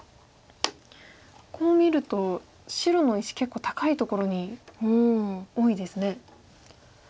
こう見ると白の石結構高いところに多いですね。